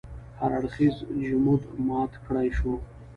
هر اړخیز جمود مات کړای شو.